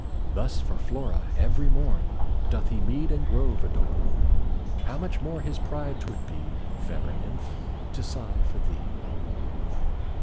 Thus for Flora, every morn, Doth he mead and grove adorn. How much more his pride 'twould be, Fairer Nymph, to sigh for thee!